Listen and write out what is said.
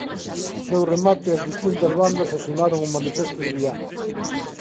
Ao seu remate as distintas bandas asinaron o Manifesto de Viana.